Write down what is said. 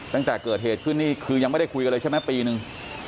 ตั้งแต่เกิดเหตุขึ้นนี่คือยังไม่ได้คุยกันเลยใช่ไหมปีนึง